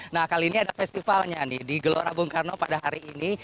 nah kali ini ada festivalnya nih di gelora bung karno pada hari ini